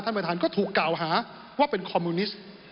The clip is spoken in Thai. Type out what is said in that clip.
ท่านประธานก็ถูกกล่าวหาว่าเป็นคอมมิวนิสต์